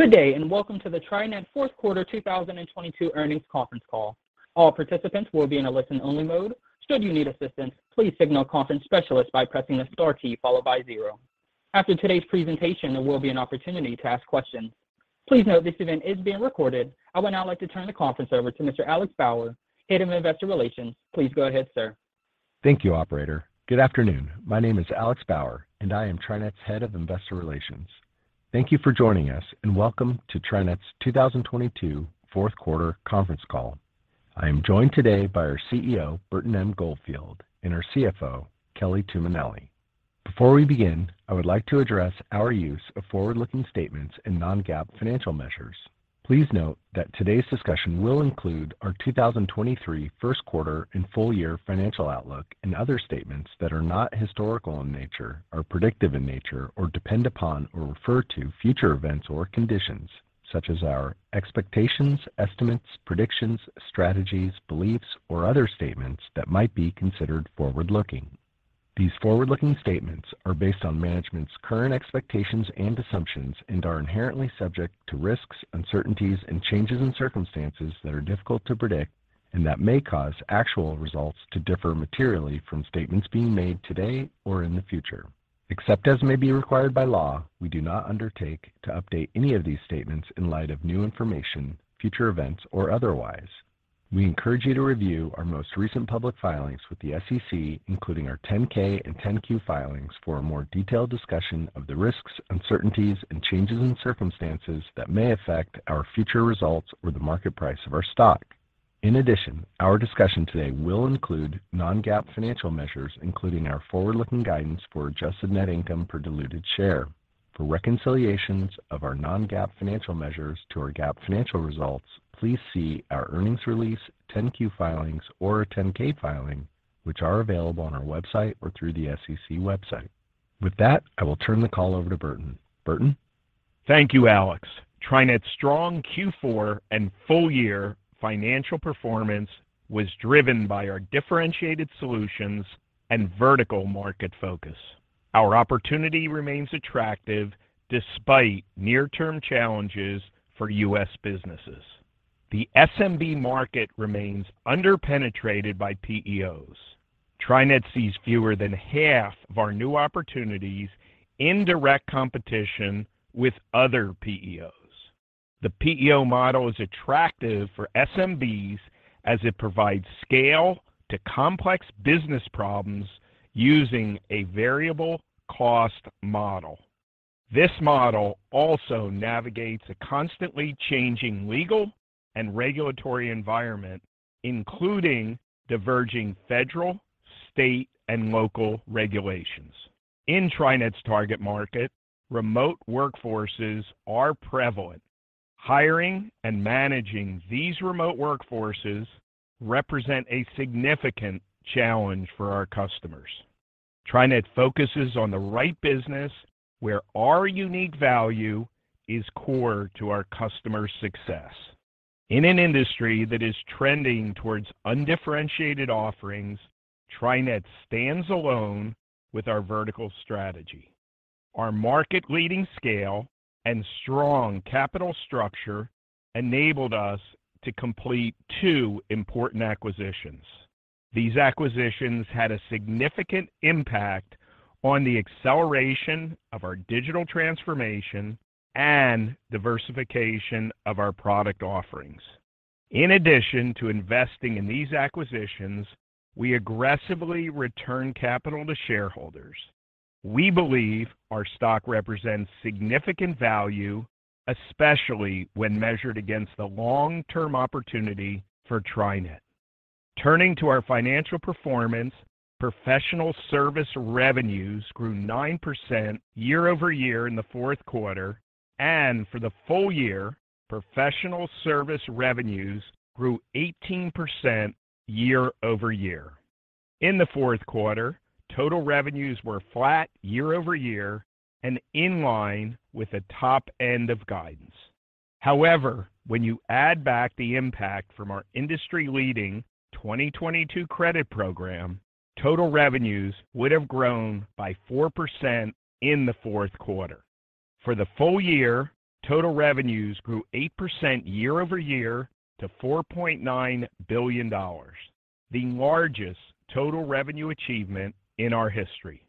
Good day, welcome to the TriNet Q4 2022 Earnings Conference Call. All participants will be in a listen-only mode. Should you need assistance, please signal conference specialist by pressing the star key followed by 0. After today's presentation, there will be an opportunity to ask questions. Please note this event is being recorded. I would now like to turn the conference over to Mr. Alex Bauer, Head of Investor Relations. Please go ahead, sir. Thank you, operator. Good afternoon. My name is Alex Bauer, and I am TriNet's Head of Investor Relations. Thank you for joining us, and welcome to TriNet's 2022 Q4 conference call. I am joined today by our CEO, Burton M. Goldfield, and our CFO, Kelly Tuminelli. Before we begin, I would like to address our use of forward-looking statements and non-GAAP financial measures. Please note that today's discussion will include our 2023 Q1 and full year financial outlook and other statements that are not historical in nature, are predictive in nature, or depend upon or refer to future events or conditions, such as our expectations, estimates, predictions, strategies, beliefs, or other statements that might be considered forward-looking. These forward-looking statements are based on management's current expectations and assumptions and are inherently subject to risks, uncertainties, and changes in circumstances that are difficult to predict and that may cause actual results to differ materially from statements being made today or in the future. Except as may be required by law, we do not undertake to update any of these statements in light of new information, future events, or otherwise. We encourage you to review our most recent public filings with the SEC, including our 10-K and 10-Q filings for a more detailed discussion of the risks, uncertainties, and changes in circumstances that may affect our future results or the market price of our stock. In addition, our discussion today will include non-GAAP financial measures, including our forward-looking guidance for adjusted net income per diluted share. For reconciliations of our non-GAAP financial measures to our GAAP financial results, please see our earnings release, 10-Q filings or 10-K filing, which are available on our website or through the SEC website. With that, I will turn the call over to Burton. Burton. Thank you, Alex. TriNet's strong Q4 and full year financial performance was driven by our differentiated solutions and vertical market focus. Our opportunity remains attractive despite near-term challenges for U.S. businesses. The SMB market remains under-penetrated by PEOs. TriNet sees fewer than half of our new opportunities in direct competition with other PEOs. The PEO model is attractive for SMBs as it provides scale to complex business problems using a variable cost model. This model also navigates a constantly changing legal and regulatory environment, including diverging federal, state, and local regulations. In TriNet's target market, remote workforces are prevalent. Hiring and managing these remote workforces represent a significant challenge for our customers. TriNet focuses on the right business where our unique value is core to our customers' success. In an industry that is trending towards undifferentiated offerings, TriNet stands alone with our vertical strategy. Our market-leading scale and strong capital structure enabled us to complete 2 important acquisitions. These acquisitions had a significant impact on the acceleration of our digital transformation and diversification of our product offerings. In addition to investing in these acquisitions, we aggressively return capital to shareholders. We believe our stock represents significant value, especially when measured against the long-term opportunity for TriNet. Turning to our financial performance, professional service revenues grew 9% year-over-year in Q4, and for the full year, professional service revenues grew 18% year-over-year. In Q4, total revenues were flat year-over-year and in line with the top end of guidance. When you add back the impact from our industry-leading 2022 credit program, total revenues would have grown by 4% in Q4. For the full year, total revenues grew 8% year-over-year to $4.9 billion, the largest total revenue achievement in our history.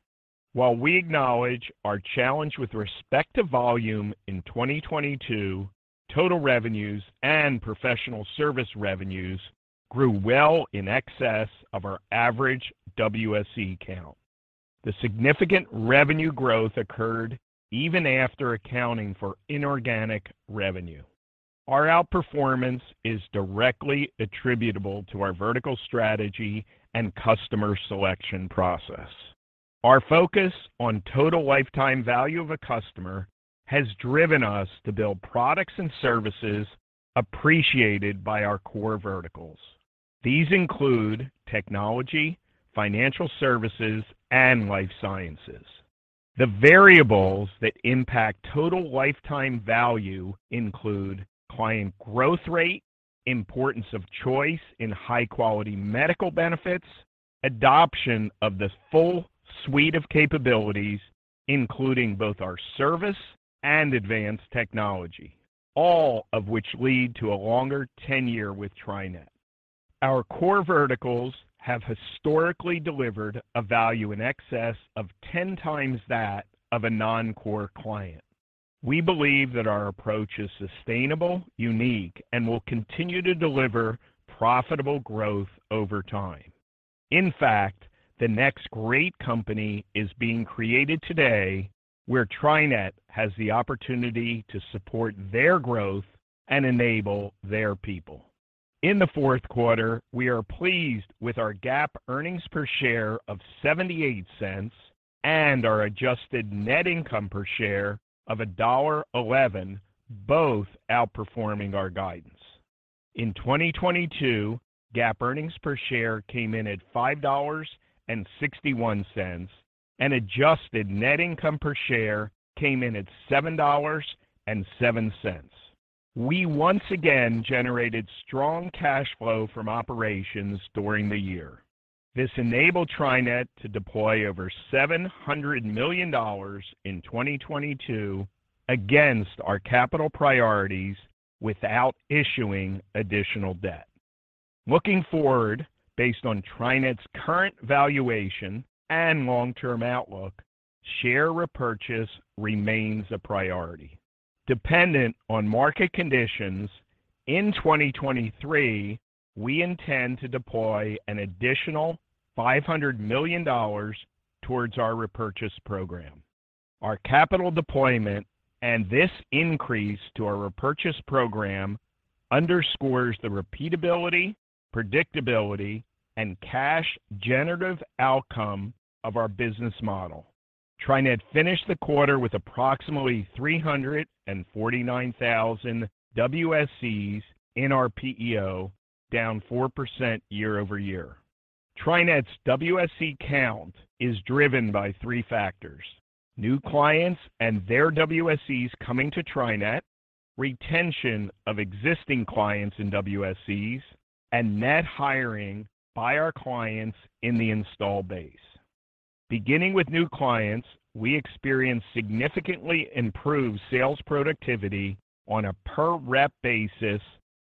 While we acknowledge our challenge with respect to volume in 2022, total revenues and professional service revenues grew well in excess of our average WSE count. The significant revenue growth occurred even after accounting for inorganic revenue. Our outperformance is directly attributable to our vertical strategy and customer selection process. Our focus on total lifetime value of a customer has driven us to build products and services appreciated by our core verticals. These include technology, financial services, and life sciences. The variables that impact total lifetime value include client growth rateImportance of choice in high-quality medical benefits, adoption of the full suite of capabilities, including both our service and advanced technology, all of which lead to a longer tenure with TriNet. Our core verticals have historically delivered a value in excess of 10 times that of a non-core client. We believe that our approach is sustainable, unique, and will continue to deliver profitable growth over time. In fact, the next great company is being created today, where TriNet has the opportunity to support their growth and enable their people. In Q4, we are pleased with our GAAP earnings per share of $0.78 and our adjusted net income per share of $1.11, both outperforming our guidance. In 2022, GAAP earnings per share came in at $5.61, and adjusted net income per share came in at $7.07. We once again generated strong cash flow from operations during the year. This enabled TriNet to deploy over $700 million in 2022 against our capital priorities without issuing additional debt. Looking forward, based on TriNet's current valuation and long-term outlook, share repurchase remains a priority. Dependent on market conditions, in 2023, we intend to deploy an additional $500 million towards our repurchase program. Our capital deployment and this increase to our repurchase program underscores the repeatability, predictability, and cash generative outcome of our business model. TriNet finished the quarter with approximately 349,000 WSEs in our PEO, down 4% year-over-year. TriNet's WSE count is driven by three factors: new clients and their WSEs coming to TriNet, retention of existing clients and WSEs, and net hiring by our clients in the install base. Beginning with new clients, we experienced significantly improved sales productivity on a per-rep basis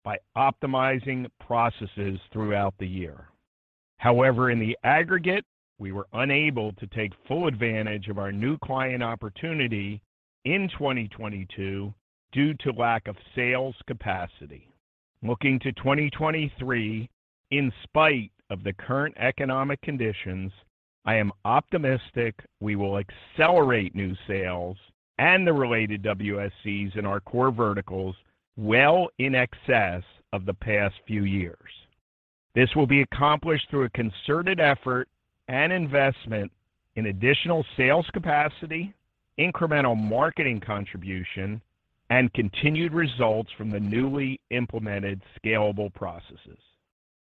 by optimizing processes throughout the year. However, in the aggregate, we were unable to take full advantage of our new client opportunity in 2022 due to lack of sales capacity. Looking to 2023, in spite of the current economic conditions, I am optimistic we will accelerate new sales and the related WSEs in our core verticals well in excess of the past few years. This will be accomplished through a concerted effort and investment in additional sales capacity, incremental marketing contribution, and continued results from the newly implemented scalable processes.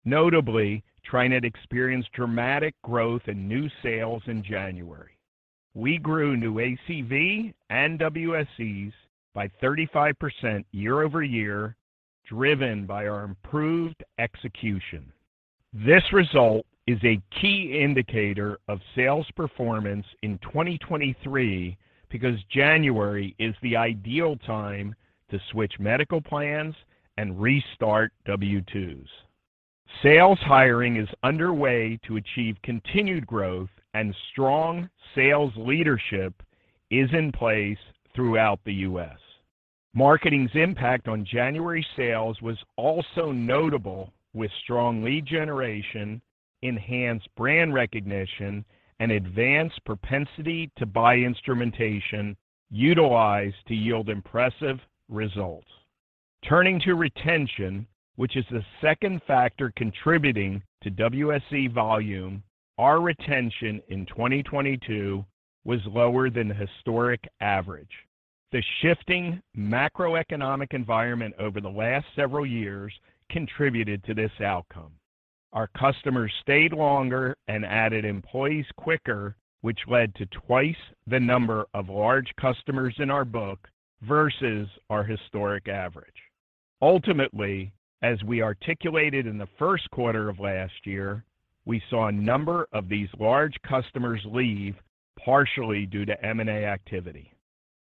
Notably, TriNet experienced dramatic growth in new sales in January. We grew new ACV and WSEs by 35% year-over-year, driven by our improved execution. This result is a key indicator of sales performance in 2023 because January is the ideal time to switch medical plans and restart W-2s. Sales hiring is underway to achieve continued growth. Strong sales leadership is in place throughout the U.S. Marketing's impact on January sales was also notable with strong lead generation, enhanced brand recognition, and advanced propensity to buy instrumentation utilized to yield impressive results. Turning to retention, which is the second factor contributing to WSE volume, our retention in 2022 was lower than the historic average. The shifting macroeconomic environment over the last several years contributed to this outcome. Our customers stayed longer and added employees quicker, which led to twice the number of large customers in our book versus our historic average. Ultimately, as we articulated in Q1 of last year, we saw a number of these large customers leave partially due to M&A activity.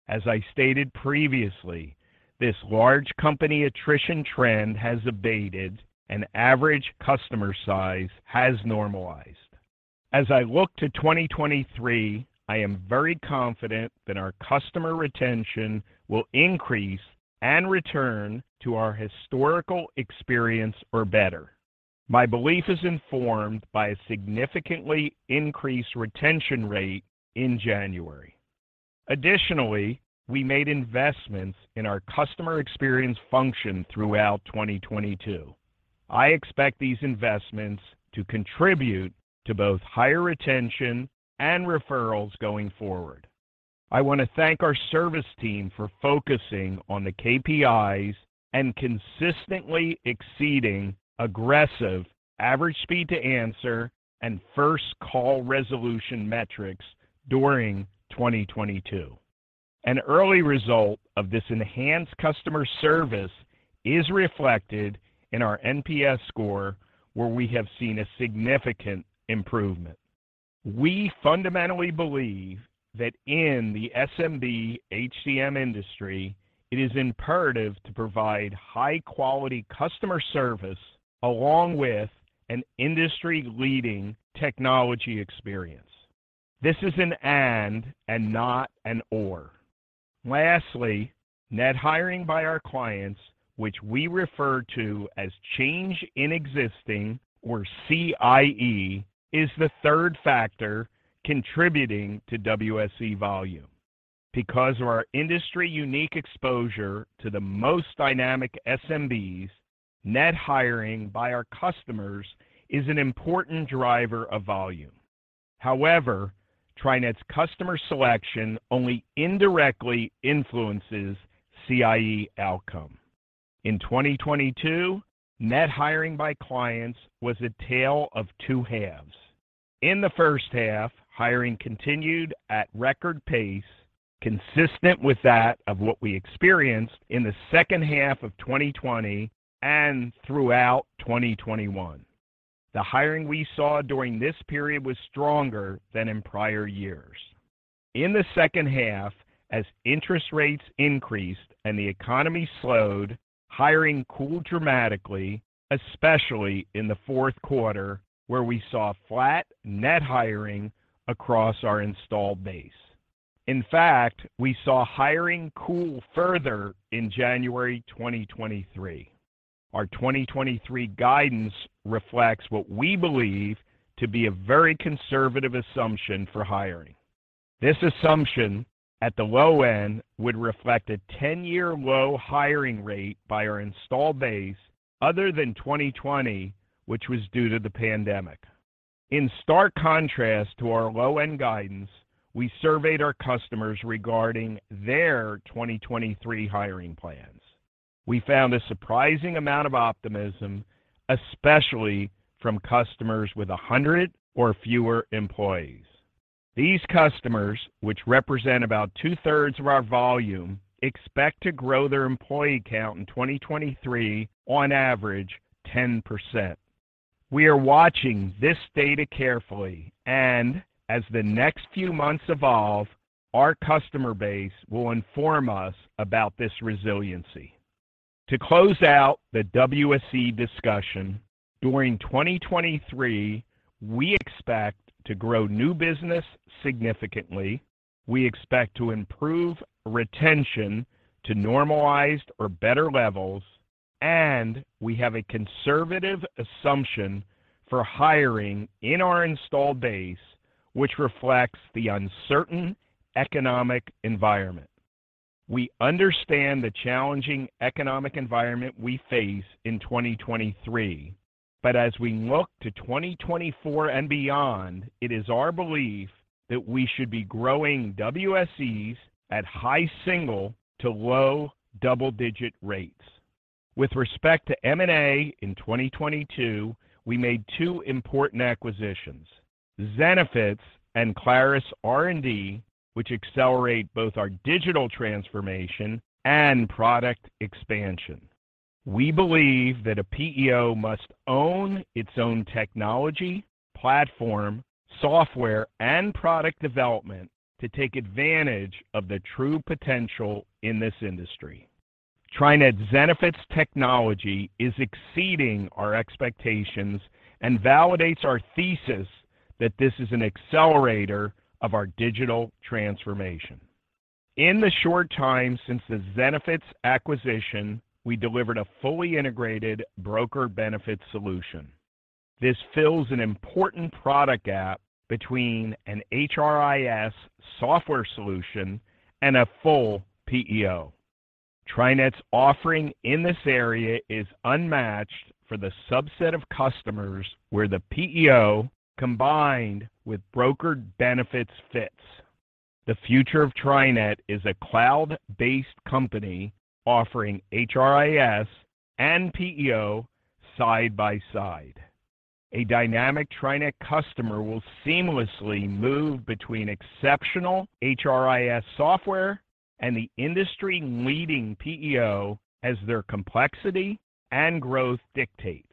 As I stated previously, this large company attrition trend has abated, and average customer size has normalized. As I look to 2023, I am very confident that our customer retention will increase and return to our historical experience or better. My belief is informed by a significantly increased retention rate in January. Additionally, we made investments in our customer experience function throughout 2022. I expect these investments to contribute to both higher retention and referrals going forward. I want to thank our service team for focusing on the KPIs and consistently exceeding aggressive average speed to answer and first call resolution metrics during 2022. An early result of this enhanced customer service is reflected in our NPS score, where we have seen a significant improvement. We fundamentally believe that in the SMB HCM industry, it is imperative to provide high quality customer service along with an industry leading technology experience. This is an and not an or. Net hiring by our clients, which we refer to as change in existing or CIE, is the third factor contributing to WSE volume. Because of our industry unique exposure to the most dynamic SMBs, net hiring by our customers is an important driver of volume. TriNet's customer selection only indirectly influences CIE outcome. In 2022, net hiring by clients was a tale of two halves. In the first half, hiring continued at record pace, consistent with that of what we experienced in the second half of 2020 and throughout 2021. The hiring we saw during this period was stronger than in prior years. In the second half, as interest rates increased and the economy slowed, hiring cooled dramatically, especially in Q4, where we saw flat net hiring across our installed base. In fact, we saw hiring cool further in January 2023. Our 2023 guidance reflects what we believe to be a very conservative assumption for hiring. This assumption at the low end would reflect a 10-year low hiring rate by our installed base other than 2020, which was due to the pandemic. In stark contrast to our low end guidance, we surveyed our customers regarding their 2023 hiring plans. We found a surprising amount of optimism, especially from customers with 100 or fewer employees. These customers, which represent about two-thirds of our volume, expect to grow their employee count in 2023 on average 10%. We are watching this data carefully. As the next few months evolve, our customer base will inform us about this resiliency. To close out the WSE discussion, during 2023, we expect to grow new business significantly. We expect to improve retention to normalized or better levels. We have a conservative assumption for hiring in our installed base, which reflects the uncertain economic environment. We understand the challenging economic environment we face in 2023. As we look to 2024 and beyond, it is our belief that we should be growing WSEs at high single to low double digit rates. With respect to M&A in 2022, we made two important acquisitions, Zenefits and Clarus R&D, which accelerate both our digital transformation and product expansion. We believe that a PEO must own its own technology, platform, software, and product development to take advantage of the true potential in this industry. TriNet Zenefits technology is exceeding our expectations and validates our thesis that this is an accelerator of our digital transformation. In the short time since the Zenefits acquisition, we delivered a fully integrated broker benefits solution. This fills an important product gap between an HRIS software solution and a full PEO. TriNet's offering in this area is unmatched for the subset of customers where the PEO combined with brokered benefits fits. The future of TriNet is a cloud-based company offering HRIS and PEO side by side. A dynamic TriNet customer will seamlessly move between exceptional HRIS software and the industry leading PEO as their complexity and growth dictates.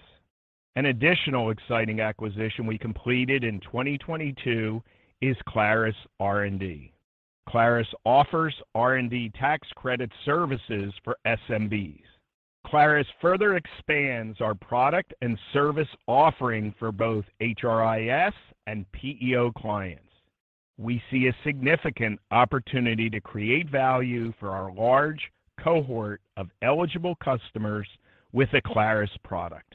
An additional exciting acquisition we completed in 2022 is Clarus R&D. Clarus offers R&D tax credit services for SMBs. Clarus further expands our product and service offering for both HRIS and PEO clients. We see a significant opportunity to create value for our large cohort of eligible customers with a Clarus product.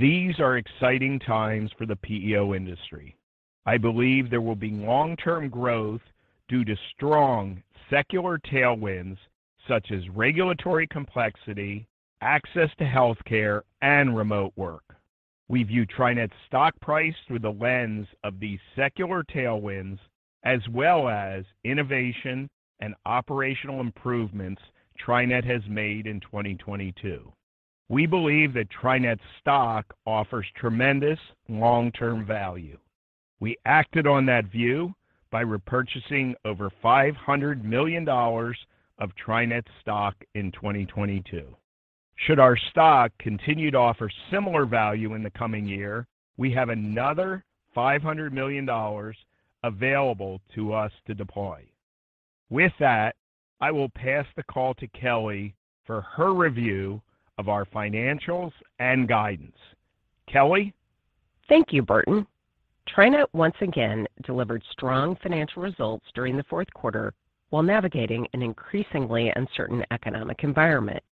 These are exciting times for the PEO industry. I believe there will be long-term growth due to strong secular tailwinds such as regulatory complexity, access to healthcare, and remote work. We view TriNet's stock price through the lens of these secular tailwinds as well as innovation and operational improvements TriNet has made in 2022. We believe that TriNet's stock offers tremendous long-term value. We acted on that view by repurchasing over $500 million of TriNet stock in 2022. Should our stock continue to offer similar value in the coming year, we have another $500 million available to us to deploy. With that, I will pass the call to Kelly for her review of our financials and guidance. Kelly? Thank you, Burton. TriNet once again delivered strong financial results during Q4 while navigating an increasingly uncertain economic environment.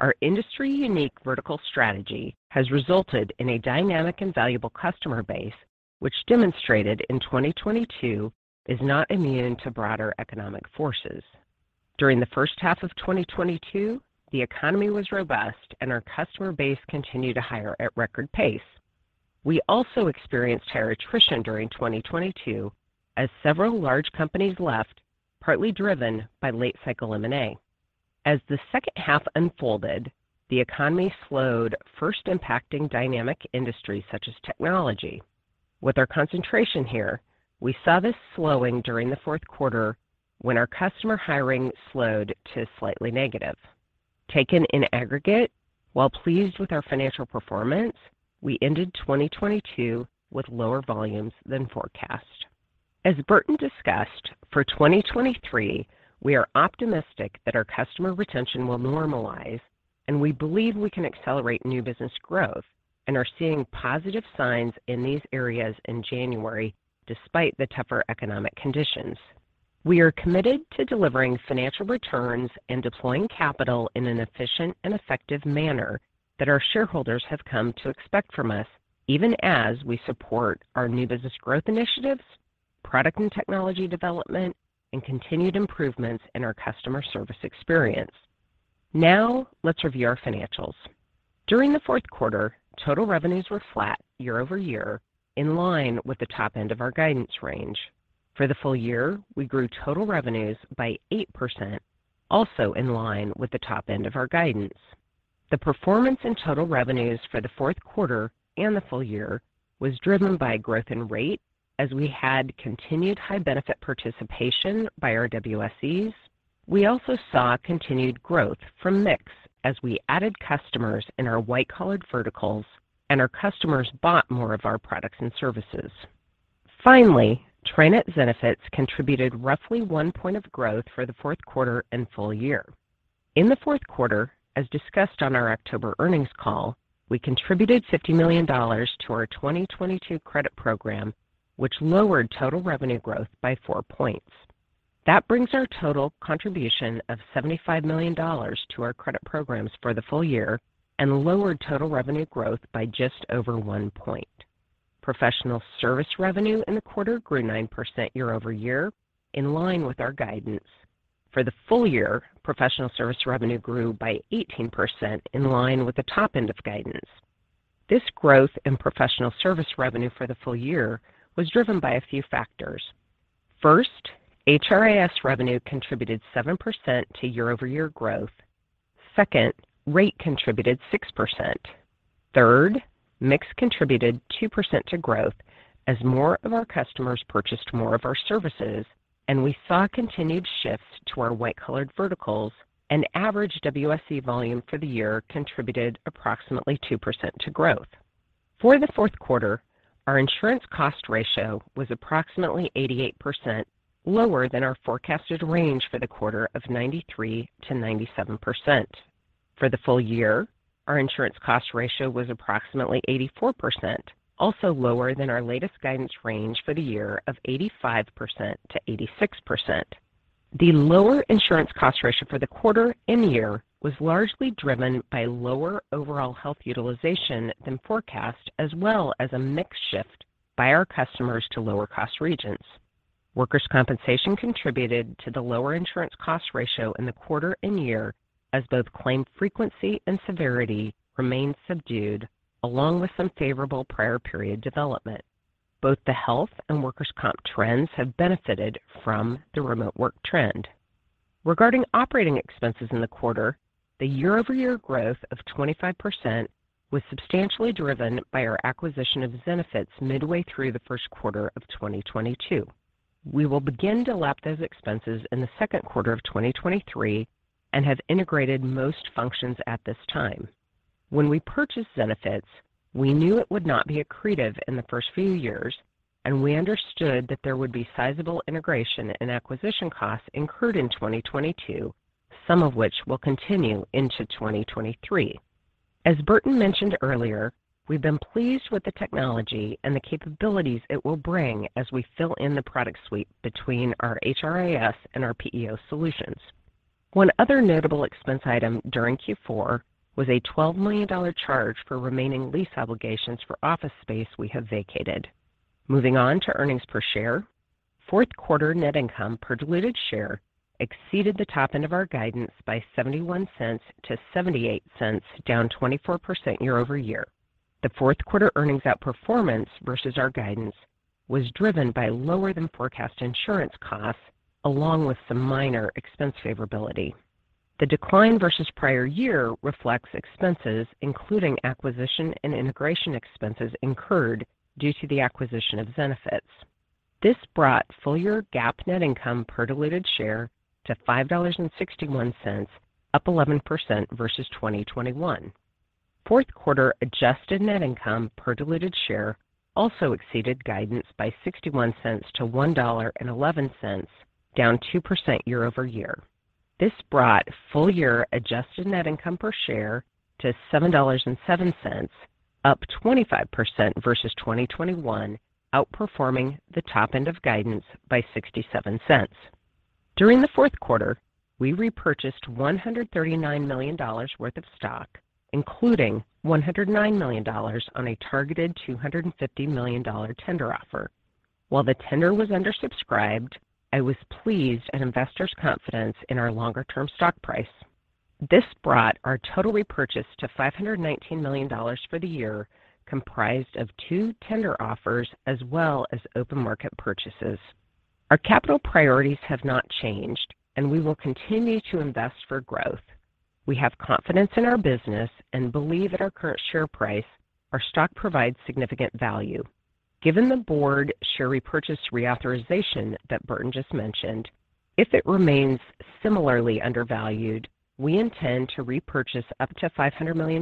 Our industry-unique vertical strategy has resulted in a dynamic and valuable customer base, which demonstrated in 2022 is not immune to broader economic forces. During the first half of 2022, the economy was robust, and our customer base continued to hire at record pace. We also experienced higher attrition during 2022 as several large companies left, partly driven by late cycle M&A. As the second half unfolded, the economy slowed, first impacting dynamic industries such as technology. With our concentration here, we saw this slowing during Q4 when our customer hiring slowed to slightly negative. Taken in aggregate, while pleased with our financial performance, we ended 2022 with lower volumes than forecast. As Burton discussed, for 2023, we are optimistic that our customer retention will normalize, and we believe we can accelerate new business growth and are seeing positive signs in these areas in January despite the tougher economic conditions. We are committed to delivering financial returns and deploying capital in an efficient and effective manner that our shareholders have come to expect from us, even as we support our new business growth initiatives, product and technology development, and continued improvements in our customer service experience. Let's review our financials. During Q4, total revenues were flat year-over-year in line with the top end of our guidance range. For the full year, we grew total revenues by 8%, also in line with the top end of our guidance. The performance in total revenues for Q4 and the full year was driven by growth in rate as we had continued high benefit participation by our WSEs. We also saw continued growth from mix as we added customers in our white-collared verticals, and our customers bought more of our products and services. Finally, TriNet Zenefits contributed roughly one point of growth for Q4 and full year. In Q4, as discussed on our October earnings call, we contributed $50 million to our 2022 credit program, which lowered total revenue growth by four points. That brings our total contribution of $75 million to our credit programs for the full year and lowered total revenue growth by just over one point. Professional service revenue in the quarter grew 9% year-over-year in line with our guidance. For the full year, professional service revenue grew by 18% in line with the top end of guidance. This growth in professional service revenue for the full year was driven by a few factors. First, HRIS revenue contributed 7% to year-over-year growth. Second, rate contributed 6%. Third, mix contributed 2% to growth as more of our customers purchased more of our services, and we saw continued shifts to our white-collared verticals. Average WSE volume for the year contributed approximately 2% to growth. For Q4, our insurance cost ratio was approximately 88%, lower than our forecasted range for the quarter of 93%-97%. For the full year, our insurance cost ratio was approximately 84%, also lower than our latest guidance range for the year of 85%-86%. The lower insurance cost ratio for the quarter and year was largely driven by lower overall health utilization than forecast, as well as a mix shift by our customers to lower cost regions. Workers' compensation contributed to the lower insurance cost ratio in the quarter and year as both claim frequency and severity remained subdued, along with some favorable prior period development. Both the health and workers' comp trends have benefited from the remote work trend. Regarding operating expenses in the quarter, the year-over-year growth of 25% was substantially driven by our acquisition of Zenefits midway through Q1 of 2022. We will begin to lap those expenses in Q2 of 2023 and have integrated most functions at this time. When we purchased Zenefits, we knew it would not be accretive in the first few years. We understood that there would be sizable integration and acquisition costs incurred in 2022, some of which will continue into 2023. As Burton mentioned earlier, we've been pleased with the technology and the capabilities it will bring as we fill in the product suite between our HRIS and our PEO solutions. One other notable expense item during Q4 was a $12 million charge for remaining lease obligations for office space we have vacated. Moving on to earnings per share. Q4 net income per diluted share exceeded the top end of our guidance by $0.71-$0.78, down 24% year-over-year. Q4 earnings outperformance versus our guidance was driven by lower than forecast insurance costs along with some minor expense favorability. The decline versus prior year reflects expenses, including acquisition and integration expenses incurred due to the acquisition of Zenefits. This brought full year GAAP net income per diluted share to $5.61, up 11% versus 2021. Q4 adjusted net income per diluted share also exceeded guidance by $0.61 to $1.11, down 2% year-over-year. This brought full year adjusted net income per share to $7.07, up 25% versus 2021, outperforming the top end of guidance by $0.67. During Q4, we repurchased $139 million worth of stock, including $109 million on a targeted $250 million tender offer. While the tender was undersubscribed, I was pleased at investors' confidence in our longer term stock price. This brought our total repurchase to $519 million for the year, comprised of two tender offers as well as open market purchases. Our capital priorities have not changed, and we will continue to invest for growth. We have confidence in our business and believe at our current share price our stock provides significant value. Given the board share repurchase reauthorization that Burton just mentioned, if it remains similarly undervalued, we intend to repurchase up to $500 million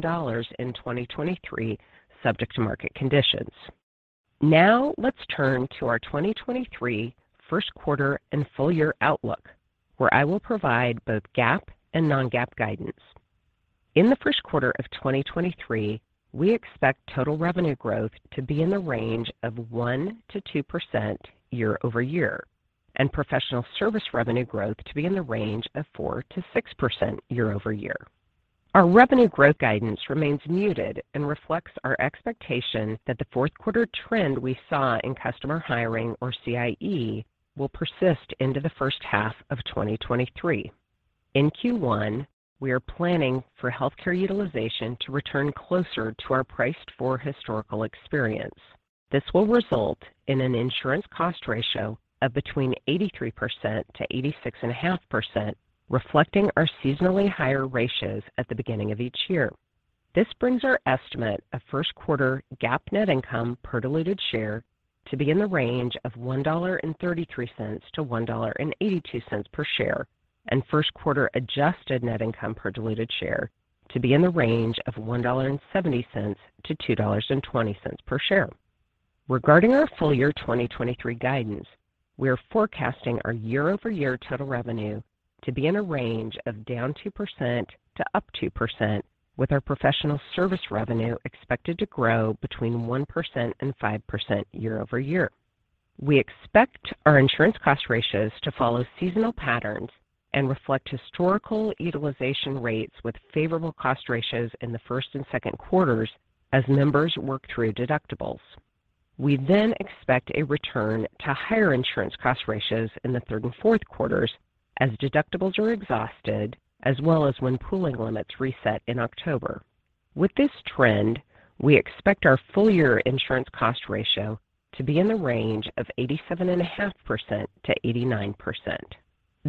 in 2023, subject to market conditions. Now let's turn to our 2023Q1 and full year outlook, where I will provide both GAAP and non-GAAP guidance. In Q1 of 2023, we expect total revenue growth to be in the range of 1%-2% year-over-year, and professional service revenue growth to be in the range of 4%-6% year-over-year. Our revenue growth guidance remains muted and reflects our expectation that Q4 trend we saw in customer hiring or CIE will persist into the first half of 2023. In Q1, we are planning for healthcare utilization to return closer to our priced for historical experience. This will result in an insurance cost ratio of between 83%-86.5%, reflecting our seasonally higher ratios at the beginning of each year. This brings our estimate ofQ1 GAAP net income per diluted share to be in the range of $1.33 to $1.82 per share, and Q1 adjusted net income per diluted share to be in the range of $1.70 to $2.20 per share. Regarding our full year 2023 guidance, we are forecasting our year-over-year total revenue to be in a range of down 2% to up 2%, with our professional service revenue expected to grow between 1% and 5% year-over-year. We expect our insurance cost ratios to follow seasonal patterns and reflect historical utilization rates with favorable cost ratios in Q1 and Q2 as members work through deductibles. We expect a return to higher insurance cost ratios in Q3 and Q4 as deductibles are exhausted, as well as when pooling limits reset in October. With this trend, we expect our full year insurance cost ratio to be in the range of 87.5%-89%.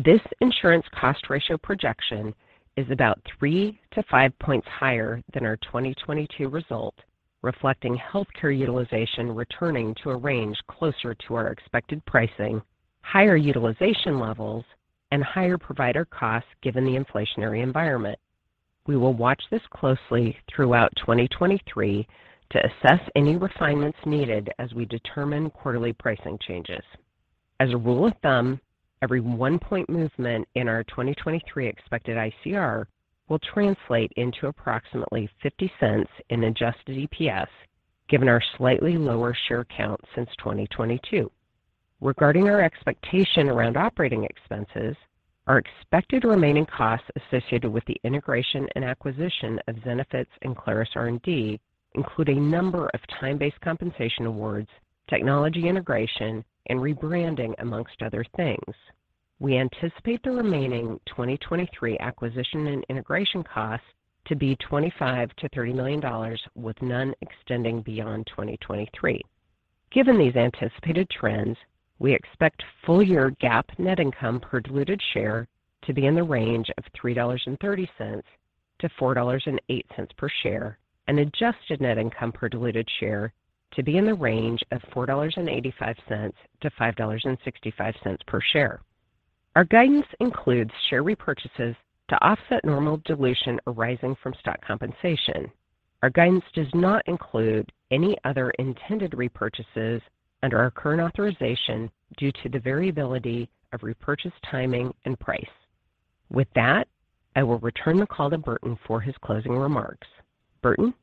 This insurance cost ratio projection is about three to five points higher than our 2022 result, reflecting healthcare utilization returning to a range closer to our expected pricing, higher utilization levels, and higher provider costs given the inflationary environment. We will watch this closely throughout 2023 to assess any refinements needed as we determine quarterly pricing changes. As a rule of thumb, every one point movement in our 2023 expected ICR will translate into approximately $0.50 in adjusted EPS given our slightly lower share count since 2022. Regarding our expectation around operating expenses, our expected remaining costs associated with the integration and acquisition of Zenefits and Clarus R&D include a number of time-based compensation awards, technology integration, and rebranding, amongst other things. We anticipate the remaining 2023 acquisition and integration costs to be $25 million-$30 million, with none extending beyond 2023. Given these anticipated trends, we expect full year GAAP net income per diluted share to be in the range of $3.30-$4.08 per share, and adjusted net income per diluted share to be in the range of $4.85-$5.65 per share. Our guidance includes share repurchases to offset normal dilution arising from stock compensation. Our guidance does not include any other intended repurchases under our current authorization due to the variability of repurchase timing and price. With that, I will return the call to Burton for his closing remarks. Burton?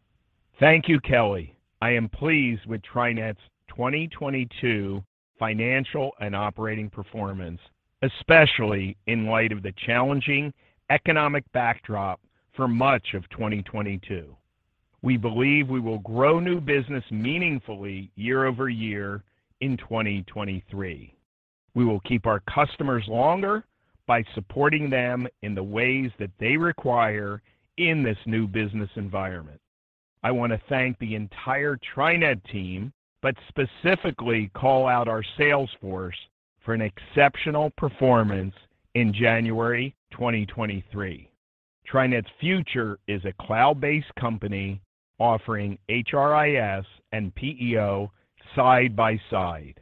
Thank you, Kelly. I am pleased with TriNet's 2022 financial and operating performance, especially in light of the challenging economic backdrop for much of 2022. We believe we will grow new business meaningfully year-over-year in 2023. We will keep our customers longer by supporting them in the ways that they require in this new business environment. I want to thank the entire TriNet team, but specifically call out our sales force for an exceptional performance in January 2023. TriNet's future is a cloud-based company offering HRIS and PEO side by side.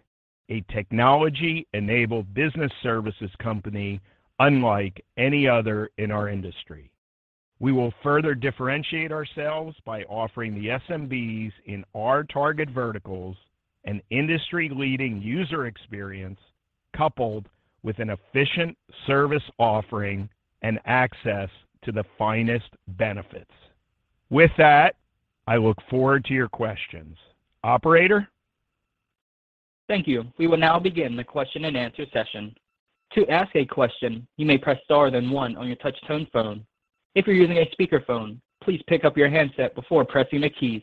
A technology-enabled business services company unlike any other in our industry. We will further differentiate ourselves by offering the SMBs in our target verticals an industry-leading user experience coupled with an efficient service offering and access to the finest benefits. With that, I look forward to your questions. Operator? Thank you. We will now begin the question and answer session. To ask a question, you may press star one on your touch tone phone. If you're using a speakerphone, please pick up your handset before pressing the keys.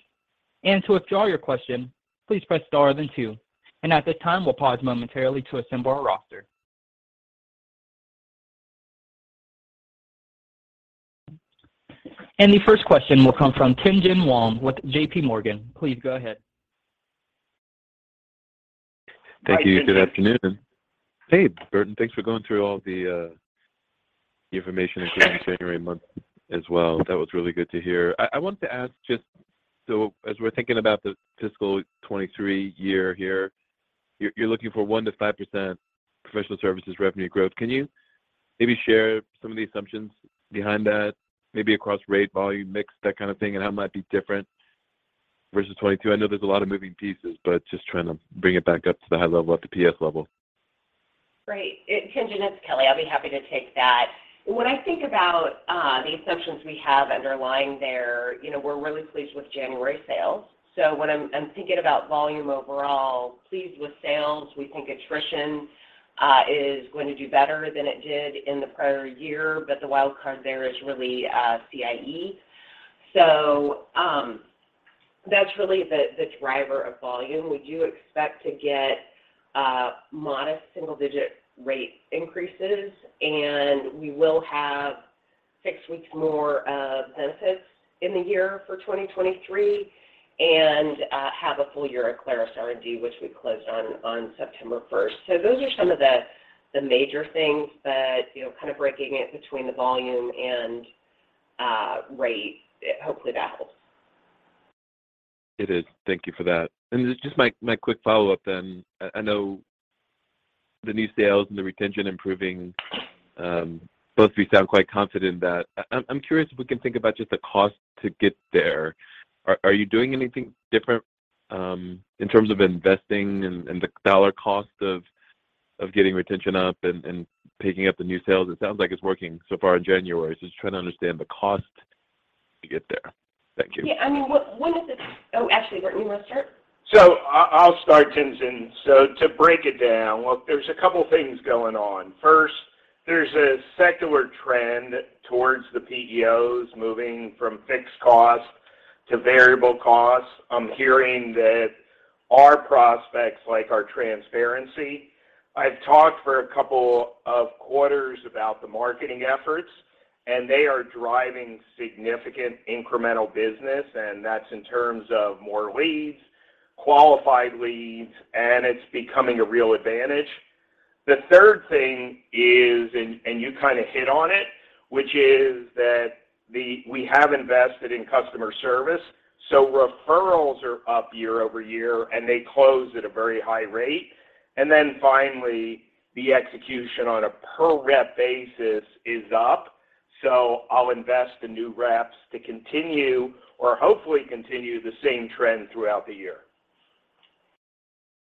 To withdraw your question, please press star two. At this time, we'll pause momentarily to assemble our roster. The first question will come from Tien-Tsin Huang with JPMorgan. Please go ahead. Thank you. Good afternoon. Hey, Burton. Thanks for going through all the information including January month as well. That was really good to hear. I want to ask just as we're thinking about the fiscal 2023 year here, you're looking for 1%-5% professional services revenue growth. Can you maybe share some of the assumptions behind that? Maybe across rate, volume, mix, that kind of thing, and how it might be different versus 2022. I know there's a lot of moving pieces, but just trying to bring it back up to the high level at the PS level. Great. Tien-Tsin, it's Kelly. I'll be happy to take that. When I think about the assumptions we have underlying there, you know, we're really pleased with January sales. When I'm thinking about volume overall, pleased with sales. We think attrition is going to do better than it did in the prior year. The wild card there is really CIE. That's really the driver of volume. We do expect to get modest single-digit rate increases, and we will have six weeks more of benefits in the year for 2023, and have a full year of Clarus R&D, which we closed on September 1st. Those are some of the major things that, you know, kind of breaking it between the volume and rate. Hopefully, that helps. It is. Thank you for that. Just my quick follow-up then. I know the new sales and the retention improving, both of you sound quite confident that... I'm curious if we can think about just the cost to get there. Are you doing anything different in terms of investing and the dollar cost of getting retention up and picking up the new sales? It sounds like it's working so far in January. Just trying to understand the cost to get there. Thank you. Yeah, I mean, one of the. Actually, Burton, you want to start? I'll start, Tingen. To break it down, well, there's a couple things going on. First, there's a secular trend towards the PEOs moving from fixed costs to variable costs. I'm hearing that our prospects like our transparency. I've talked for a couple of quarters about the marketing efforts, and they are driving significant incremental business, and that's in terms of more leads, qualified leads, and it's becoming a real advantage. The third thing is, and you kind of hit on it, which is that we have invested in customer service, so referrals are up year-over-year, and they close at a very high rate. Finally, the execution on a per rep basis is up. I'll invest in new reps to continue or hopefully continue the same trend throughout the year.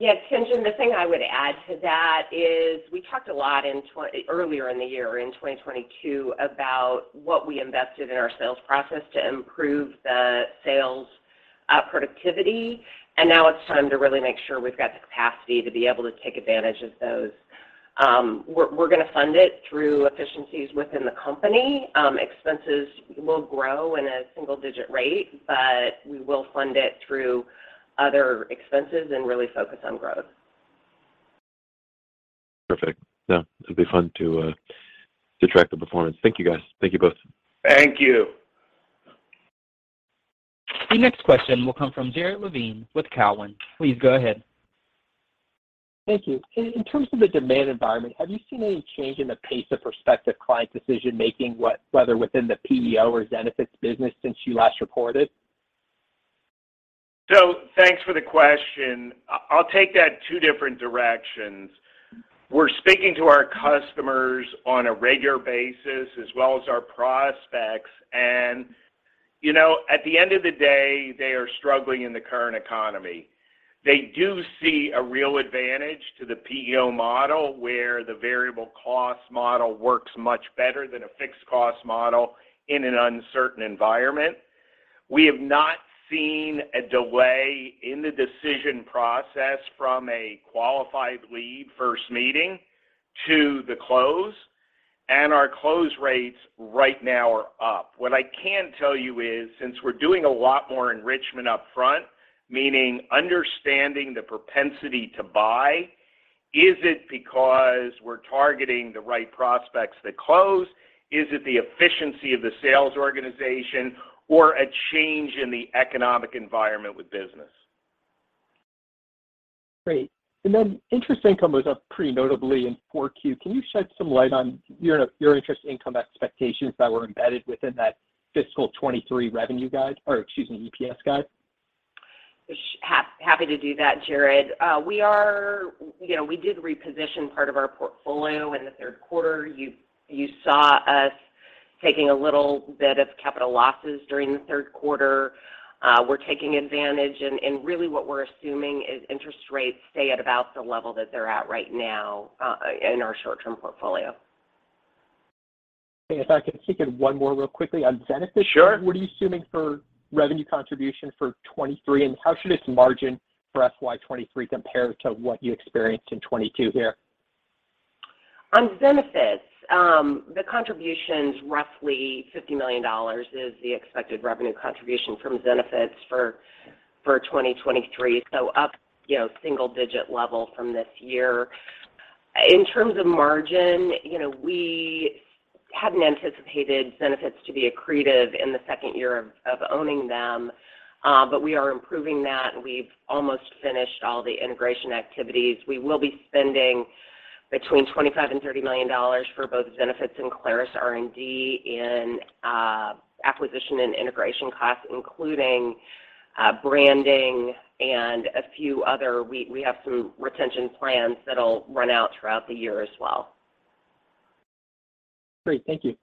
Yes. Tien-Tsin, the thing I would add to that is we talked a lot in earlier in the year in 2022 about what we invested in our sales process to improve the sales productivity. Now it's time to really make sure we've got the capacity to be able to take advantage of those. We're going to fund it through efficiencies within the company. Expenses will grow in a single digit rate, we will fund it through other expenses and really focus on growth. Perfect. No, it'll be fun to track the performance. Thank you, guys. Thank you both. Thank you. The next question will come from Jared Levine with Cowen. Please go ahead. Thank you. In terms of the demand environment, have you seen any change in the pace of prospective client decision-making, whether within the PEO or Zenefits business since you last reported? Thanks for the question. I'll take that two different directions. We're speaking to our customers on a regular basis as well as our prospects. You know, at the end of the day, they are struggling in the current economy. They do see a real advantage to the PEO model, where the variable cost model works much better than a fixed cost model in an uncertain environment. We have not seen a delay in the decision process from a qualified lead first meeting to the close, and our close rates right now are up. What I can tell you is, since we're doing a lot more enrichment upfront, meaning understanding the propensity to buy? Is it because we're targeting the right prospects that close? Is it the efficiency of the sales organization or a change in the economic environment with business? Great. Interest income was up pretty notably in 4Q. Can you shed some light on your interest income expectations that were embedded within that fiscal 23 revenue guide or excuse me, EPS guide? Happy to do that, Jared. We are, you know, we did reposition part of our portfolio in Q3. You saw us taking a little bit of capital losses during Q3. We're taking advantage and really what we're assuming is interest rates stay at about the level that they're at right now, in our short-term portfolio. If I could sneak in one more real quickly. On Zenefits- Sure. What are you assuming for revenue contribution for 2023, and how should its margin for FY 2023 compare to what you experienced in 2022 here? On Zenefits, the contribution's roughly $50 million is the expected revenue contribution from Zenefits for 2023. Up, you know, single-digit level from this year. In terms of margin, you know, we hadn't anticipated Zenefits to be accretive in the second year of owning them, but we are improving that. We've almost finished all the integration activities. We will be spending between $25 million-$30 million for both Zenefits and Clarus R&D in acquisition and integration costs, including branding and a few other... We have some retention plans that'll run out throughout the year as well. Great. Thank you.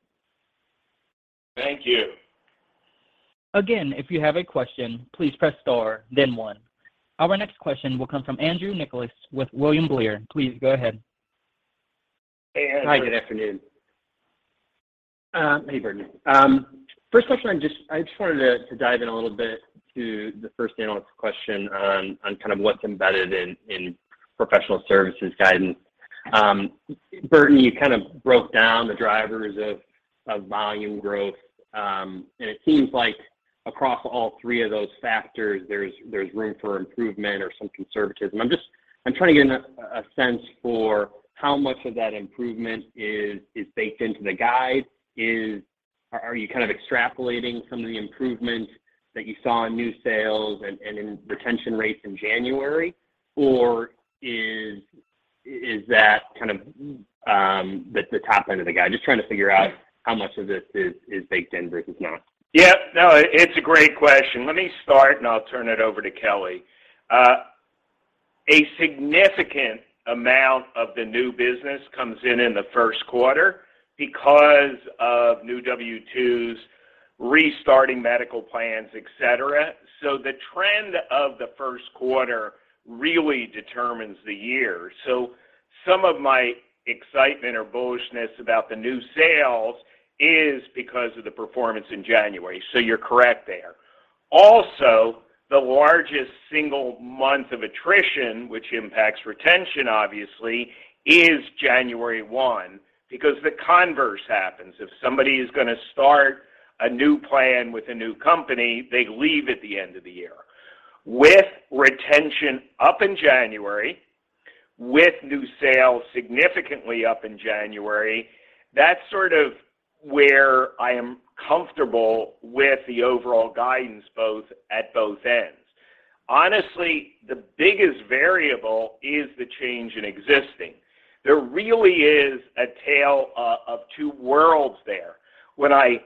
Thank you. Again, if you have a question, please press star then one. Our next question will come from Andrew Nicholas with William Blair. Please go ahead. Hey, Andrew. Good afternoon. Hi. Hey, Burton. First question, I just wanted to dive in a little bit to the first analyst question on kind of what's embedded in professional services guidance. Burton, you kind of broke down the drivers of volume growth. It seems like across all three of those factors there's room for improvement or some conservatism. I'm trying to get a sense for how much of that improvement is baked into the guide. Are you kind of extrapolating some of the improvements that you saw in new sales and in retention rates in January? Is that kind of the top end of the guide? Just trying to figure out how much of this is baked in versus not. No, it's a great question. Let me start, and I'll turn it over to Kelly. A significant amount of the new business comes in Q1 because of new W-2s, restarting medical plans, et cetera. The trend of Q1 really determines the year. Some of my excitement or bullishness about the new sales is because of the performance in January. You're correct there. Also, the largest single month of attrition, which impacts retention obviously, is January one because the converse happens. If somebody is gonna start a new plan with a new company, they leave at the end of the year. With retention up in January, with new sales significantly up in January, that's sort of where I am comfortable with the overall guidance at both ends. Honestly, the biggest variable is the change in existing. There really is a tale of two worlds there. When I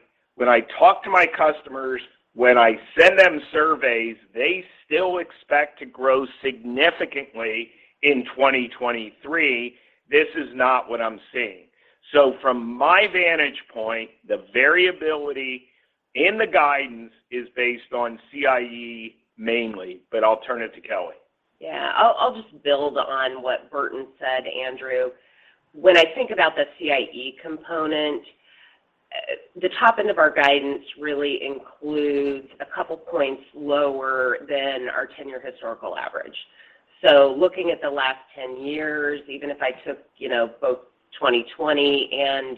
talk to my customers, when I send them surveys, they still expect to grow significantly in 2023. This is not what I'm seeing. From my vantage point, the variability in the guidance is based on CIE mainly. I'll turn it to Kelly. Yeah. I'll just build on what Burton said, Andrew. When I think about the CIE component, the top end of our guidance really includes a couple points lower than our ten-year historical average. Looking at the last 10 years, even if I took, you know, both 2020 and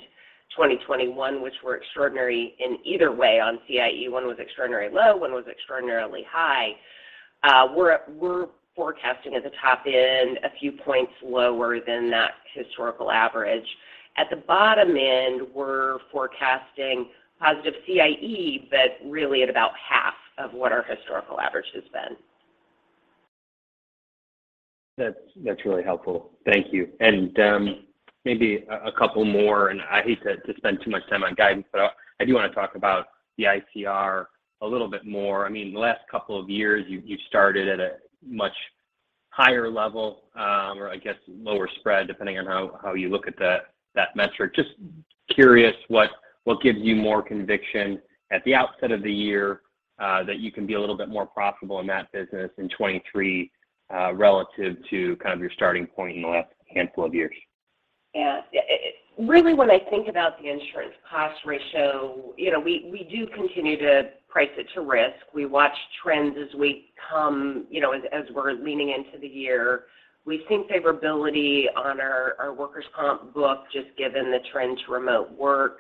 2021, which were extraordinary in either way on CIE, one was extraordinarily low, one was extraordinarily high, we're forecasting at the top end a few points lower than that historical average. At the bottom end, we're forecasting positive CIE, really at about half of what our historical average has been. That's really helpful. Thank you. Maybe a couple more. I hate to spend too much time on guidance, but I do wanna talk about the ICR a little bit more. I mean, the last couple of years, you started at a much higher level, or I guess lower spread, depending on how you look at that metric. Just curious what gives you more conviction at the outset of the year that you can be a little bit more profitable in that business in 2023 relative to kind of your starting point in the last handful of years? Yeah. It really when I think about the insurance cost ratio, you know, we do continue to price it to risk. We watch trends as we come, you know, as we're leaning into the year. We've seen favorability on our workers' comp book just given the trend to remote work.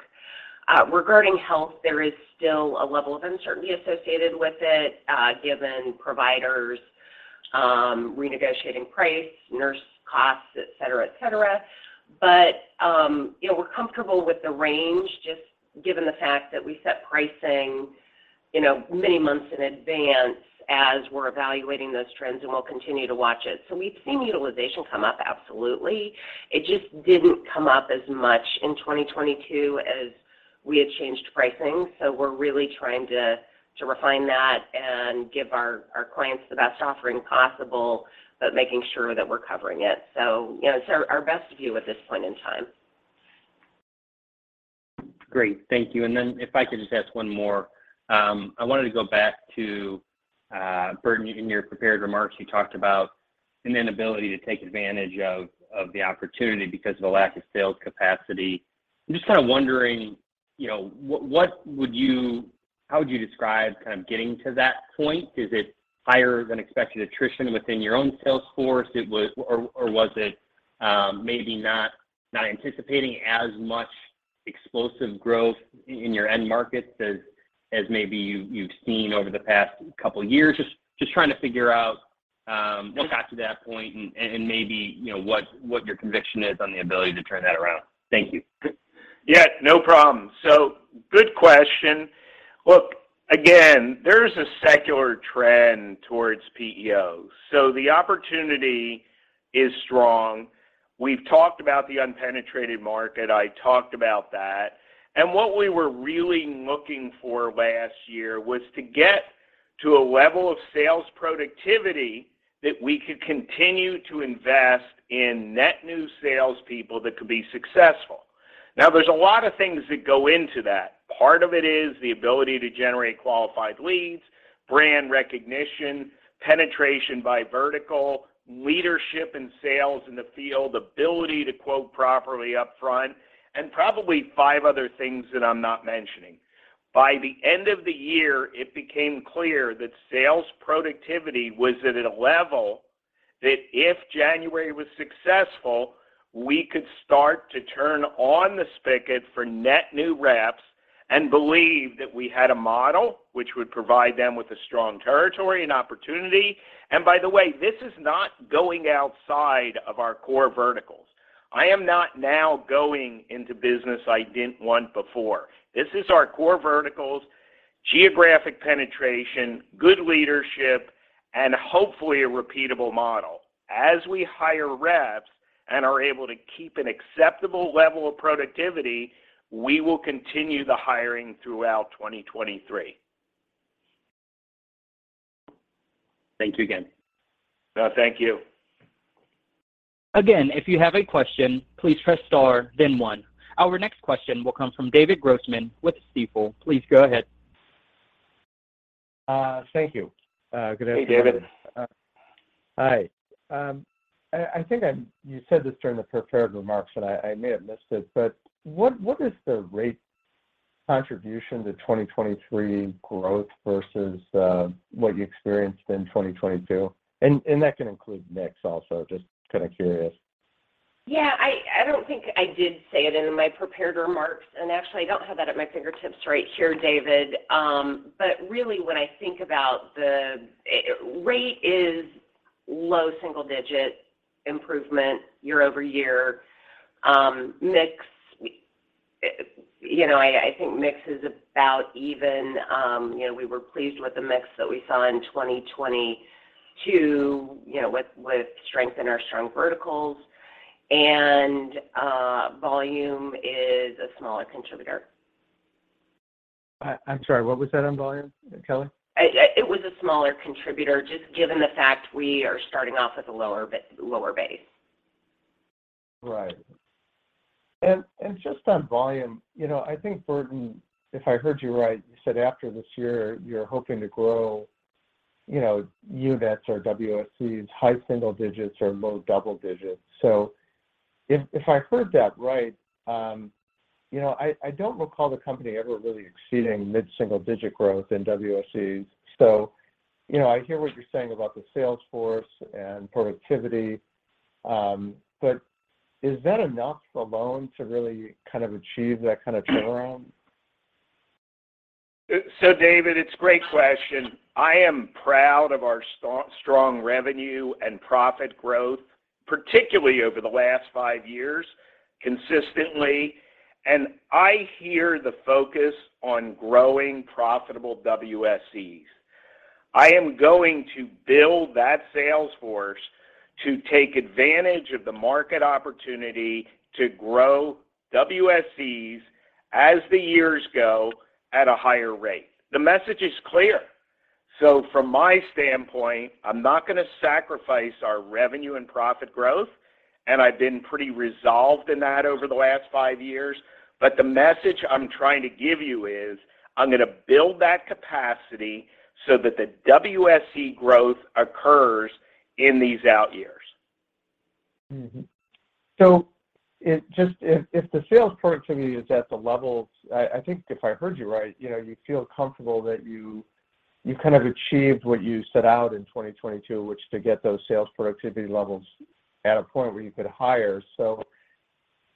Regarding health, there is still a level of uncertainty associated with it, given providers renegotiating price, nurse costs, et cetera, et cetera. You know, we're comfortable with the range, just given the fact that we set pricing, you know, many months in advance as we're evaluating those trends, and we'll continue to watch it. We've seen utilization come up, absolutely. It just didn't come up as much in 2022 as we had changed pricing. We're really trying to refine that and give our clients the best offering possible, but making sure that we're covering it. You know, it's our best view at this point in time. Great. Thank you. Then if I could just ask 1 more. I wanted to go back to Burton, in your prepared remarks, you talked about an inability to take advantage of the opportunity because of a lack of sales capacity. I'm just kind of wondering, you know, how would you describe kind of getting to that point? Is it higher than expected attrition within your own sales force? Or was it maybe not anticipating as much explosive growth in your end markets as maybe you've seen over the past couple of years? Just trying to figure out what got to that point and maybe, you know, what your conviction is on the ability to turn that around. Thank you. Good question. Look, again, there's a secular trend towards PEOs. The opportunity is strong. We've talked about the unpenetrated market. I talked about that. What we were really looking for last year was to get to a level of sales productivity that we could continue to invest in net new salespeople that could be successful. Now, there's a lot of things that go into that. Part of it is the ability to generate qualified leads, brand recognition, penetration by vertical, leadership in sales in the field, ability to quote properly up front, and probably five other things that I'm not mentioning. By the end of the year, it became clear that sales productivity was at a level that if January was successful, we could start to turn on the spigot for net new reps and believe that we had a model which would provide them with a strong territory and opportunity. By the way, this is not going outside of our core verticals. I am not now going into business I didn't want before. This is our core verticals, geographic penetration, good leadership, and hopefully a repeatable model. As we hire reps and are able to keep an acceptable level of productivity, we will continue the hiring throughout 2023. Thank you again. No, thank you. If you have a question, please press star then one. Our next question will come from David Grossman with Stifel. Please go ahead. Thank you. Good afternoon. Hey, David. Hi. I think you said this during the prepared remarks, and I may have missed it, but what is the rate contribution to 2023 growth versus what you experienced in 2022? And that can include mix also, just kind of curious. Yeah. I don't think I did say it in my prepared remarks. Actually, I don't have that at my fingertips right here, David. Really when I think about the rate is low single-digit improvement year-over-year. Mix, you know, I think mix is about even, you know, we were pleased with the mix that we saw in 2022, you know, with strength in our strong verticals. Volume is a smaller contributor. I'm sorry, what was that on volume, Kelly? It was a smaller contributor just given the fact we are starting off at a lower base. Right. Just on volume, you know, I think Burton, if I heard you right, you said after this year, you're hoping to grow, you know, units or WSEs high single digits or low double digits. If I heard that right, you know, I don't recall the company ever really exceeding mid-single digit growth in WSEs. You know, I hear what you're saying about the sales force and productivity, but is that enough alone to really kind of achieve that kind of turnaround? David, it's a great question. I am proud of our strong revenue and profit growth, particularly over the last five years, consistently. I hear the focus on growing profitable WSEs. I am going to build that sales force to take advantage of the market opportunity to grow WSEs as the years go at a higher rate. The message is clear. From my standpoint, I'm not going to sacrifice our revenue and profit growth, and I've been pretty resolved in that over the last five years. The message I'm trying to give you is I'm going to build that capacity so that the WSE growth occurs in these out years. If the sales productivity is at the levels, I think if I heard you right, you know, you feel comfortable that you kind of achieved what you set out in 2022, which to get those sales productivity levels at a point where you could hire.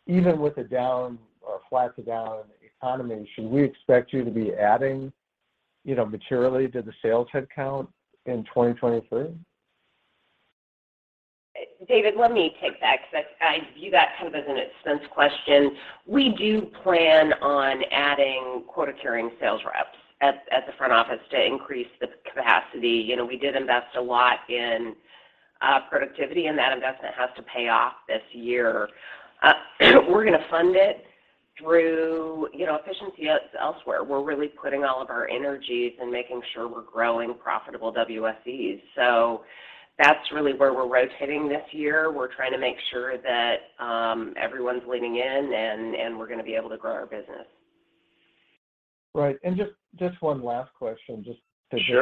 Even with the down or flat to down economy, should we expect you to be adding, you know, materially to the sales headcount in 2023? David, let me take that 'cause I view that kind of as an expense question. We do plan on adding quota-carrying sales reps at the front office to increase the capacity. You know, we did invest a lot in productivity, that investment has to pay off this year. We're gonna fund it through, you know, efficiency elsewhere. We're really putting all of our energies in making sure we're growing profitable WSEs. That's really where we're rotating this year. We're trying to make sure that everyone's leaning in, and we're gonna be able to grow our business. Right. just one last question. Sure...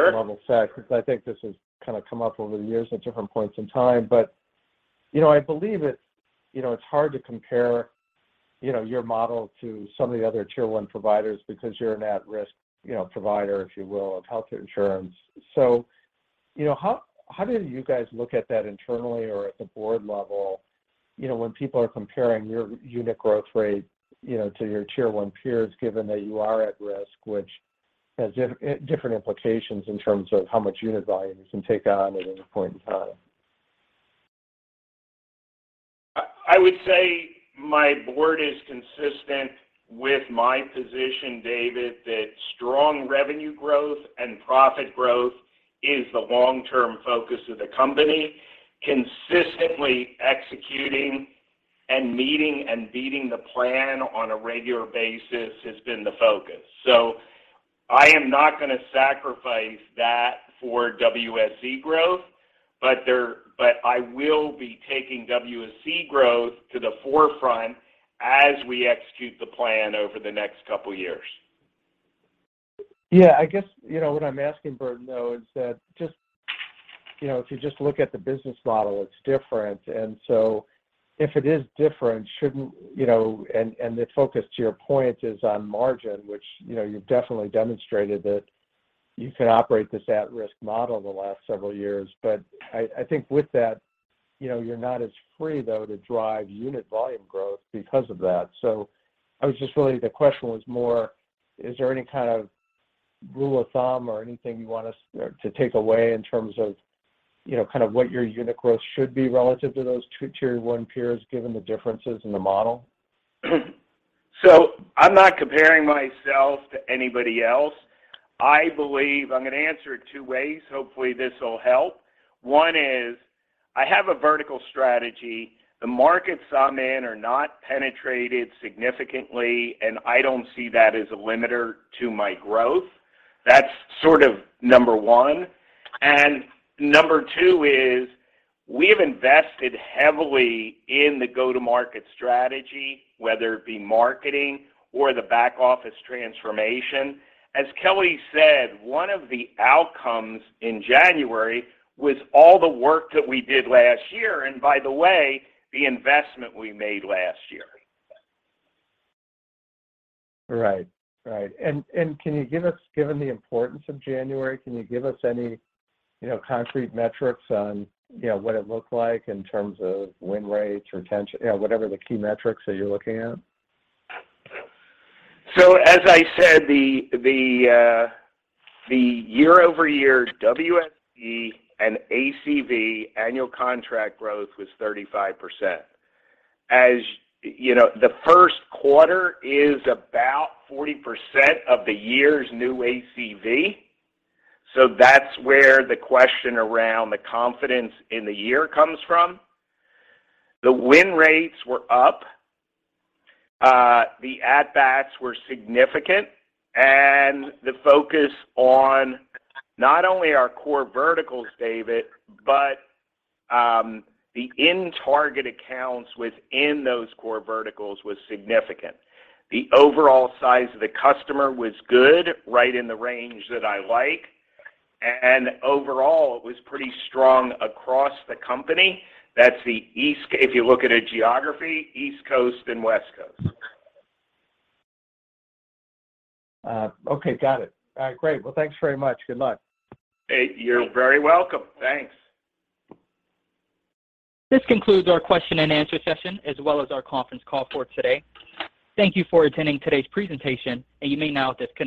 to get it on the set, because I think this has kinda come up over the years at different points in time. You know, I believe it, you know, it's hard to compare, you know, your model to some of the other Tier 1 providers because you're an at-risk, you know, provider, if you will, of health insurance. You know, how do you guys look at that internally or at the board level, you know, when people are comparing your unit growth rate, you know, to your Tier 1 peers, given that you are at risk, which has different implications in terms of how much unit volume you can take on at any point in time? I would say my board is consistent with my position, David, that strong revenue growth and profit growth is the long-term focus of the company. Consistently executing and meeting and beating the plan on a regular basis has been the focus. I am not gonna sacrifice that for WSE growth, but I will be taking WSE growth to the forefront as we execute the plan over the next couple of years. Yeah. I guess, you know, what I'm asking, Burton, though, is that just, you know, if you just look at the business model, it's different. If it is different, shouldn't, you know? The focus, to your point, is on margin, which, you know, you've definitely demonstrated that you can operate this at-risk model the last several years. I think with that, you know, you're not as free, though, to drive unit volume growth because of that. The question was more, is there any kind of rule of thumb or anything you want us to take away in terms of, you know, kind of what your unit growth should be relative to those Tier 1 peers, given the differences in the model? I'm not comparing myself to anybody else. I'm gonna answer it two ways. Hopefully, this will help. One is, I have a vertical strategy. The markets I'm in are not penetrated significantly, and I don't see that as a limiter to my growth. That's sort of number one. Number two is we have invested heavily in the go-to-market strategy, whether it be marketing or the back office transformation. As Kelly said, one of the outcomes in January was all the work that we did last year, and by the way, the investment we made last year. Right. Right. Can you give us, given the importance of January, can you give us any, you know, concrete metrics on, you know, what it looked like in terms of win rates, retention, whatever the key metrics that you're looking at? As I said, the year-over-year WSE and ACV annual contract growth was 35%. As you know, Q1 is about 40% of the year's new ACV, so that's where the question around the confidence in the year comes from. The win rates were up, the at bats were significant, and the focus on not only our core verticals, David, but the in-target accounts within those core verticals was significant. The overall size of the customer was good, right in the range that I like. Overall, it was pretty strong across the company. That's if you look at a geography, East Coast and West Coast. Okay. Got it. All right, great. Thanks very much. Good luck. Hey, you're very welcome. Thanks. This concludes our question and answer session, as well as our conference call for today. Thank you for attending today's presentation. You may now disconnect.